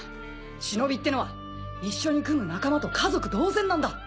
忍ってのは一緒に組む仲間と家族同然なんだ。